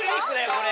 これ！